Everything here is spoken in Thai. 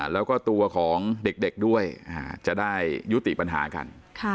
แล้วก็ตัวของเด็กด้วยจะได้ยุติปัญหากัน